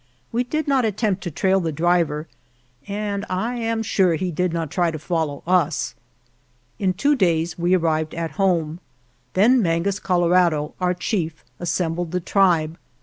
We did not at tempt to trail the driver and I am sure he did not try to follow us. In two days we arrived at home. Then Mangus Colorado, our chief, assembled the tribe.